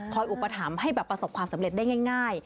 อุปถัมภ์ให้แบบประสบความสำเร็จได้ง่าย